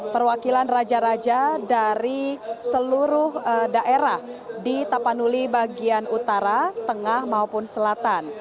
perwakilan raja raja dari seluruh daerah di tapanuli bagian utara tengah maupun selatan